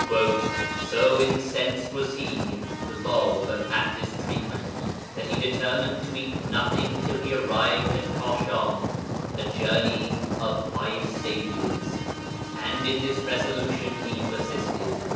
'So incensed was he [the Bāb] at this treatment that he determined to eat nothing till he arrived at Kashan [a journey of five stages], and in this resolution he persisted...